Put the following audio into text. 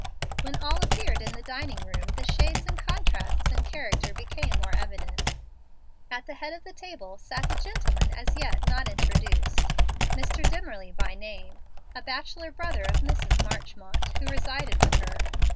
When all appeared in the dining room the shades and contrasts in character became more evident. At the head of the table sat a gentleman as yet not introduced, Mr. Dimmerly by name, a bachelor brother of Mrs. Marchmont who resided with her.